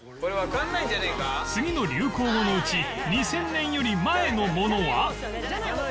次の流行語のうち２０００年より前のものは？